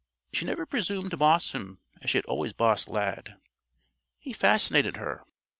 She never presumed to boss him as she had always bossed Lad. He fascinated her.